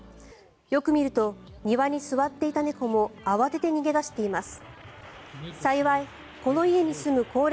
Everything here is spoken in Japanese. よく見ると、庭に座っていた猫も慌てて逃げ出しています。